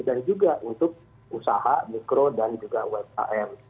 dan juga untuk usaha mikro dan juga wfam